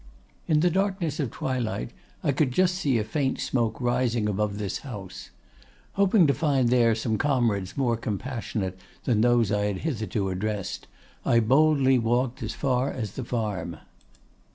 "In the darkness of twilight I could just see a faint smoke rising above this house. Hoping to find there some comrades more compassionate than those I had hitherto addressed, I boldly walked as far as the farm.